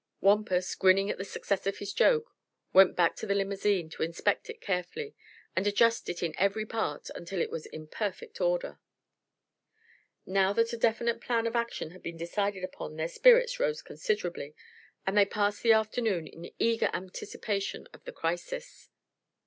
Wampus, grinning at the success of his joke, went back to the limousine to inspect it carefully and adjust it in every part until it was in perfect order. Now that a definite plan of action had been decided upon their spirits rose considerably, and they passed the afternoon in eager anticipation of the crisis.